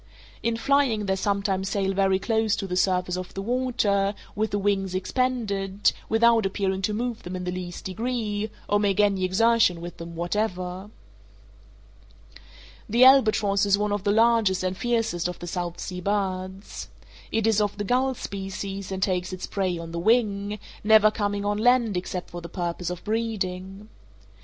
In flying they sometimes sail very close to the surface of the water, with the wings expanded, without appearing to move them in the least degree, or make any exertion with them whatever. The albatross is one of the largest and fiercest of the South Sea birds. It is of the gull species, and takes its prey on the wing, never coming on land except for the purpose of breeding.